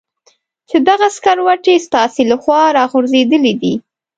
چې دغه سکروټې ستاسې له خوا را غورځېدلې دي.